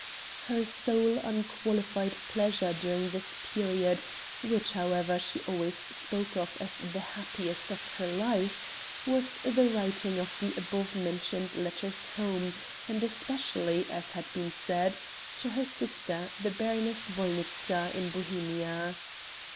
Her sole unqualified pleasure during this period which, however, she always spoke of as the happiest of her life was the writing of the above mentioned letters home, and especially as has been said, to her sister the Baroness Wolnitzka in Bohemia.